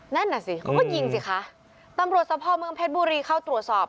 นั่นน่ะสิเขาก็ยิงสิคะตำรวจสะพอเมืองเพชรบุรีเข้าตรวจสอบ